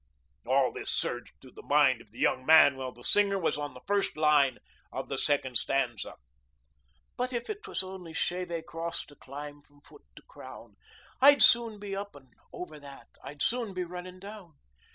All this surged through the mind of the young man while the singer was on the first line of the second stanza. "But if 't was only Shevè Cross to climb from foot to crown, I'd soon be up an' over that, I'd soon be runnin' down.